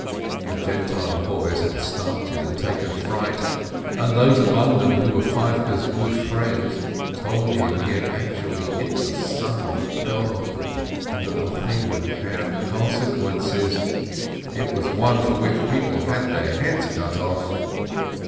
The Gentile boys had started and taken fright, and those among them who were Feivke's good friends told him he had actually hit the son of God, and that the thing would have consequences; it was one for which people had their heads cut off.